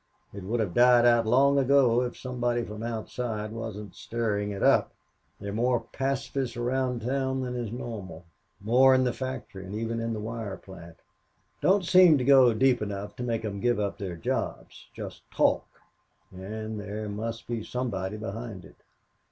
It would have died out long ago if somebody from outside wasn't stirring it up. There are more pacifists around town than is normal, more in the factory and even in the wire plant. Don't seem to go deep enough to make 'em give up their jobs just talk, and there must be somebody behind it.